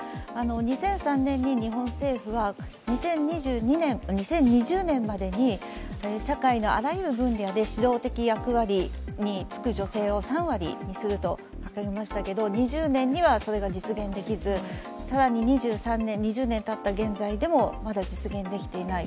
２００３年に日本政府は２０２０年までに社会のあらゆる分野で指導的役割に就く女性を３割にすると掲げましたけど２０年にはそれが実現できず、更に２３年、２０年たった現在でもまだ実現できていない。